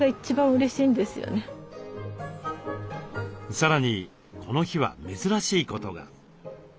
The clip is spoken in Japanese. さらにこの日は珍しいことが。